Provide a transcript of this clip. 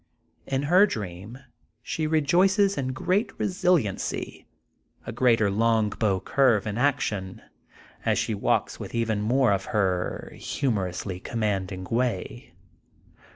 In her dream she rejoices in a great resiliency, a greater long bow curve in action, as she walks with even more of her humorously commanding way.